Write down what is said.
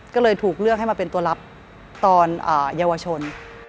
ก็เลยถูกเลือกให้มาเป็นตัวรับตอนเยาวชน